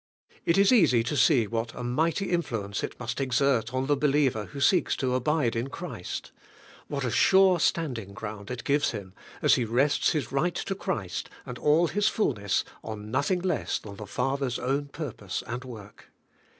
It is easy to see what a mighty influence it must exert on the believer who seeks to abide in Christ. What a sure standing ground it gives him, as he rests his right to Christ and all His fulness on nothing less than the Father's own purpose and work!